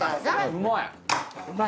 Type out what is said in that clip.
うまい！